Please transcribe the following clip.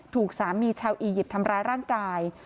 ถูกสามีชาวอียิปต์ทำร้ายร่างกาย